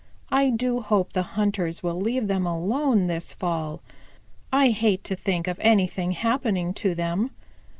I do hope the hunters will leave them alone this fall. I hate to think of anything happening to them.